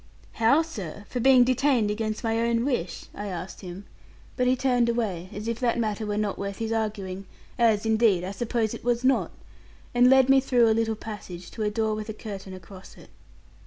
'How, sir? For being detained against my own wish?' I asked him; but he turned away, as if that matter were not worth his arguing, as, indeed, I suppose it was not, and led me through a little passage to a door with a curtain across it.